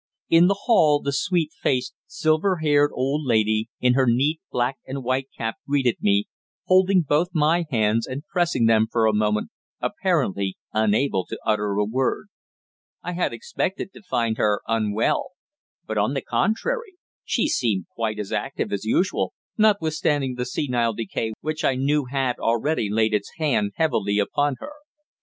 In the hall the sweet faced, silver haired old lady, in her neat black and white cap greeted me, holding both my hands and pressing them for a moment, apparently unable to utter a word. I had expected to find her unwell; but, on the contrary, she seemed quite as active as usual, notwithstanding the senile decay which I knew had already laid its hand heavily upon her.